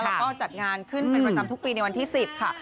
แล้วก็จัดงานขึ้นเป็นประจำทุกปีในวันที่๑๐ค่ะ